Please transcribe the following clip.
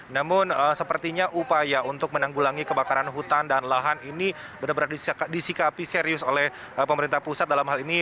namun sepertinya upaya untuk menanggulangi kebakaran hutan dan lahan ini benar benar disikapi serius oleh pemerintah pusat dalam hal ini